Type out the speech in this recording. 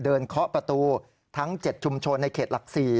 เคาะประตูทั้ง๗ชุมชนในเขตหลัก๔